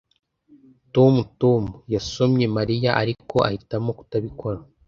[Tom] Tom yasomye Mariya, ariko ahitamo kutabikora.